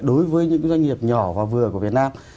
đối với những doanh nghiệp nhỏ và vừa của việt nam